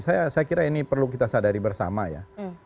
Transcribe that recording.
saya kira ini perlu kita sadari bersama ya